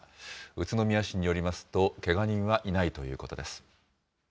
宇都宮市によりますと、けが人はいないということです。